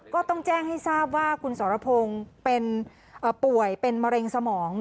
ก็ต้องแจ้งให้ทราบคุณสวทลพงศ์เป็นมะเร็งสมอง